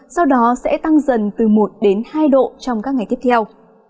sau đó sẽ tăng dần từ một đến hai độ trong các ngày tiếp theo